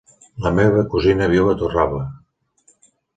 La meva cosina viu a Torralba.